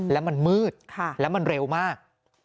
แล้วมันมืดแล้วมันเร็วมาก